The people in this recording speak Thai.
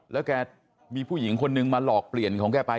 แล้วแกมีผู้หญิงคนนึงมาหลอกเปลี่ยนของแกไป